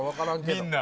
みんな。